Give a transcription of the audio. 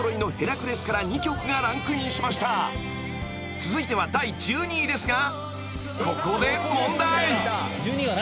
［続いては第１２位ですがここで問題］